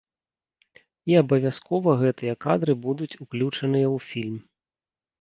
І абавязкова гэтыя кадры будуць уключаныя ў фільм.